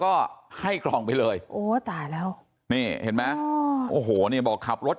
ก็ให้กล่องไปเลยโอ้ตายแล้วนี่เห็นไหมโอ้โหนี่บอกขับรถ